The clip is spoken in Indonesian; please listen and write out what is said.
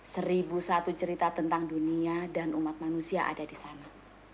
seribu satu cerita tentang dunia dan umat manusia ada di sana